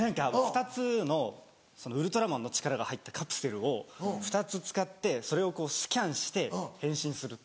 ２つのウルトラマンの力が入ったカプセルを２つ使ってそれをこうスキャンして変身するっていう。